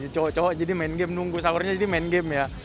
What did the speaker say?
cocok jadi main game nunggu sahurnya jadi main game ya